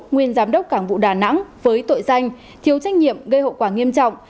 nguyên giám đốc cảng vụ đà nẵng với tội danh thiếu trách nhiệm gây hậu quả nghiêm trọng